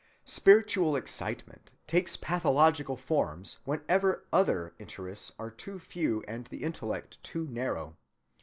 Spiritual excitement takes pathological forms whenever other interests are too few and the intellect too narrow.